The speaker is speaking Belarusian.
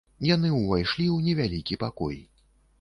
Яны ўвайшлі ў невялікі пакой.